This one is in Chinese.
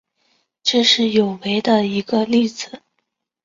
这是有违的一个例子。